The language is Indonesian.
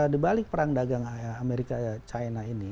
dibalik ke perang dagang amerika china ini